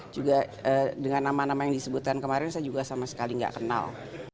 juga dengan nama nama yang disebutkan kemarin saya juga sama sekali nggak kenal